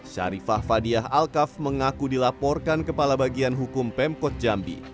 syarifah fadiah alkaf mengaku dilaporkan kepala bagian hukum pemkot jambi